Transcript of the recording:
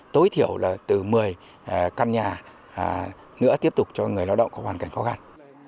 tối thiểu là từ một mươi căn nhà nữa tiếp tục cho người lao động có hoàn cảnh khó khăn